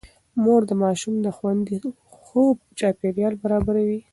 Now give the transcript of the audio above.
مور د ماشوم د خوندي خوب چاپېريال برابروي.